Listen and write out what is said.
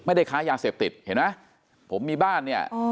ไม่ได้ค้ายาเสพติดเห็นไหมผมมีบ้านเนี่ยอ๋อ